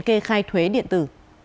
kê khai thuế điện tử